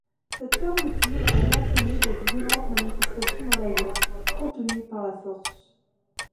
Cette fermeture avait entraîné de violentes manifestations dans la ville, contenues par la force.